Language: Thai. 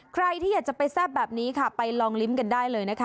ใครที่อยากจะไปแซ่บแบบนี้ค่ะไปลองลิ้มกันได้เลยนะคะ